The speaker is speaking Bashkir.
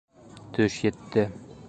Төш етте.